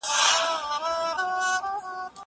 هغه وويل چي انځورونه مهم دي!